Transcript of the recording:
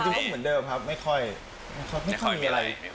จริงก็เหมือนเดิมครับไม่ค่อยมีอะไร